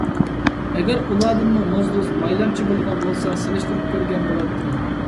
ئەگەر ئۇلاردىمۇ موزدۇز، مايلامچى بولغان بولسا سېلىشتۇرۇپ كۆرگەن بولاتتىم.